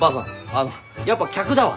あのやっぱ客だわ。